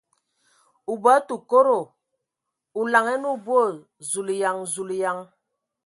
O bɔ tǝ kodo ! O laŋanǝ o boo !... Zulayan ! Zulǝyan!